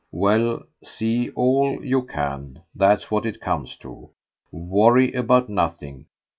"Well, see all you can. That's what it comes to. Worry about nothing.